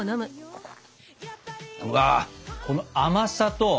うわこの甘さと